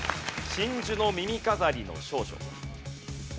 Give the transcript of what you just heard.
『真珠の耳飾りの少女』。